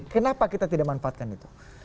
kenapa kita tidak manfaatkan itu